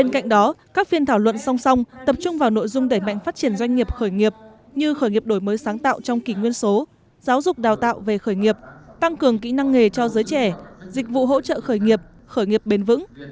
cạnh đó các phiên thảo luận song song tập trung vào nội dung đẩy mạnh phát triển doanh nghiệp khởi nghiệp như khởi nghiệp đổi mới sáng tạo trong kỷ nguyên số giáo dục đào tạo về khởi nghiệp tăng cường kỹ năng nghề cho giới trẻ dịch vụ hỗ trợ khởi nghiệp khởi nghiệp bền vững